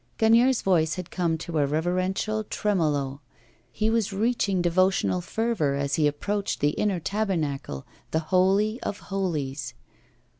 Gagnière's voice had come to a reverential tremolo. He was reaching devotional fervour as he approached the inner tabernacle, the holy of holies.